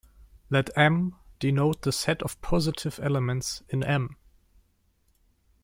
Let "M" denote the set of positive elements in "M".